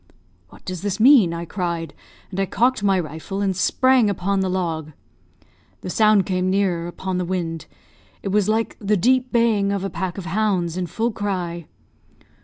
'What does this mean?' I cried, and I cocked my rifle and sprang upon the log. The sound came nearer upon the wind. It was like the deep baying of a pack of hounds in full cry.